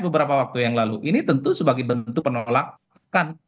beberapa waktu yang lalu ini tentu sebagai bentuk penolakan